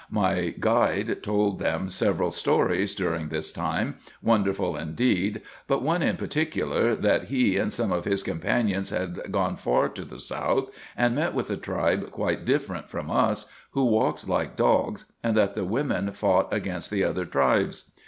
My guide told them several stories during this time, wonderful indeed, but one in particular, that he and some of his companions had gone far to the south, and met with a tribe quite different from us, who walked like dogs, and that the women fought against the other tribes.